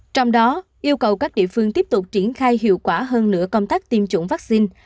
trong đó yêu cầu các địa phương tiếp tục triển khai hiệu quả hơn nữa công tác tiêm chủng vaccine